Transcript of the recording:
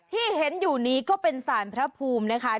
ที่เห็นอยู่นี้ก็เป็นสารพระภูมินะคะ